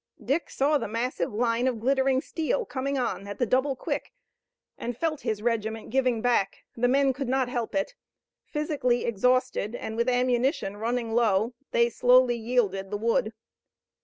Dick saw the massive line of glittering steel coming on at the double quick and he felt his regiment giving back. The men could not help it. Physically exhausted and with ammunition running low they slowly yielded the wood.